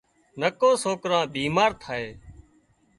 نڪو سوڪران بيمار ٿائي